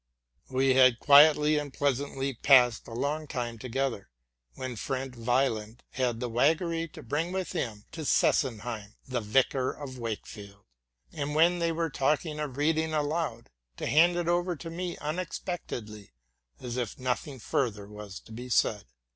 We had quietly and pleasantly passed a long time together, when friend Weyland had the waggery to bring with him to Sesenheim 'The Vicar of Wakefield,'' and, when they were talking of reading aloud, to hand it over to me unexpectedly, as if nothing further was to be said.